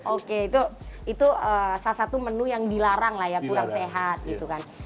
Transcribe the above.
oke itu salah satu menu yang dilarang lah ya kurang sehat gitu kan